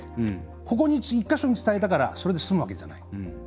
ここに、１か所に伝えたからそれで済むわけじゃない。